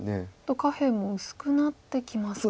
下辺も薄くなってきますか。